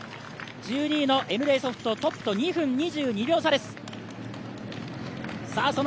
１２位のＮＤソフトトップと２分２２秒差です。